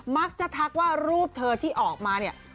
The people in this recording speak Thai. ทักว่ารูปเธอที่ออกมาเนี่ย